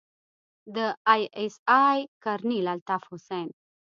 د آى اس آى کرنيل الطاف حسين.